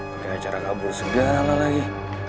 pakai acara kabur segala lagi